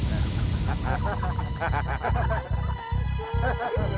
aku akan brilis